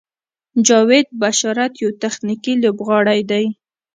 جاوید بشارت یو تخنیکي لوبغاړی دی.